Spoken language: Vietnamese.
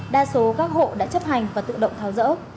đa số các hộ đã chấp hành và tự động tháo rỡ